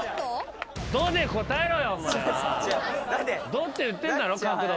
度っていってんだろ角度。